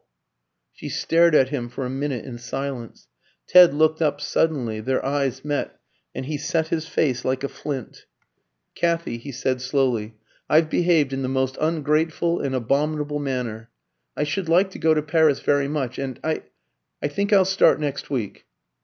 She stared at him for a minute in silence. Ted looked up suddenly; their eyes met, and he set his face like a flint. "Kathy," he said, slowly, "I've behaved in the most ungrateful and abominable manner. I should like to go to Paris very much, and I I think I'll start next week."